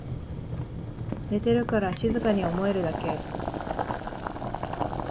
寝てるから静かに思えるだけ